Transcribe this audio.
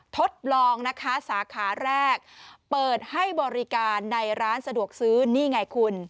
ทดลองนะคะสาขาแรกเปิดให้บริการในร้านสะดวกซื้อนี่ไงคุณ